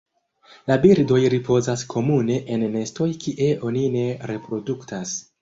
La birdoj ripozas komune en nestoj kie oni ne reproduktas.